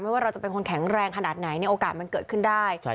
ว่าเราจะเป็นคนแข็งแรงขนาดไหนเนี่ยโอกาสมันเกิดขึ้นได้